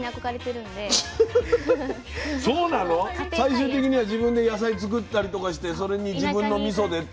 最終的には自分で野菜作ったりとかしてそれに自分のみそでって。